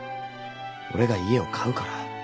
俺が家を買うから。